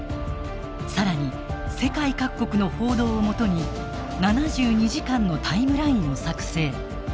更に世界各国の報道をもとに７２時間のタイムラインを作成。